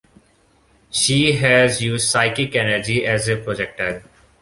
She has used psychic energy as a projectile.